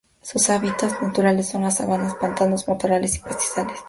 Sus hábitats naturales son las sabanas, pantanos, matorrales y pastizales.